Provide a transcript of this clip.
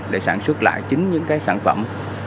để sản xuất lại chính những cái sản phẩm